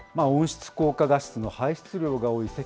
温室効果ガスの排出量が多い